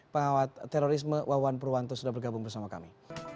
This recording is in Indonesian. pengawat terorisme wawan purwanto sudah bergabung bersama kami